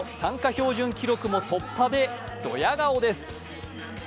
標準記録も突破でドヤ顔です。